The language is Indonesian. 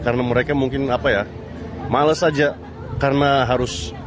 karena mereka mungkin apa ya males aja karena harus